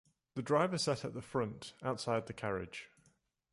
The driver sat at the front, outside the carriage.